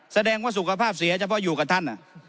แสดงว่าสุขภาพเสียเฉพาะอยู่กับท่าน